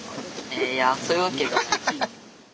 えいやそういうわけじゃない。